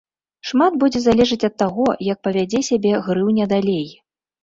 Шмат будзе залежыць ад таго, як павядзе сябе грыўня далей.